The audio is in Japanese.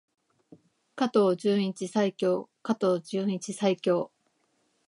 加藤純一最強！加藤純一最強！